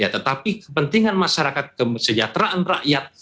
tetapi kepentingan masyarakat kesejahteraan rakyat